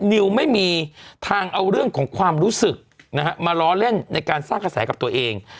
นิวไม่มีทางเอาเรื่องของความรู้สึกนะฮะมาล้อเล่นในการสร้างกระแสกับตัวเอง